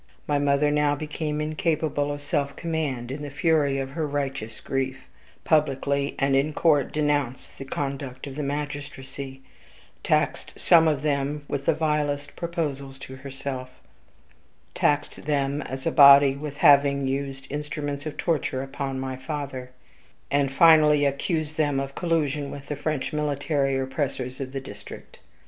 My mother, now become incapable of self command, in the fury of her righteous grief, publicly and in court denounced the conduct of the magistracy taxed some of them with the vilest proposals to herself taxed them as a body with having used instruments of torture upon my father; and, finally, accused them of collusion with the French military oppressors of the district.